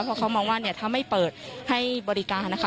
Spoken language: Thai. เพราะเขามองว่าเนี่ยถ้าไม่เปิดให้บริการนะคะ